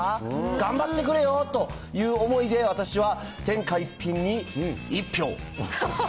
頑張ってくれよという思いで、私は天下一品に１票。